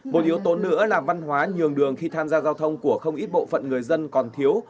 một yếu tố nữa là văn hóa nhường đường khi tham gia giao thông của không ít bộ phận người dân còn thiếu